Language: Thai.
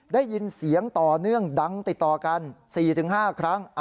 ได้ยินเสียงต่อเนื่องดังติดต่อกัน๔๕ครั้ง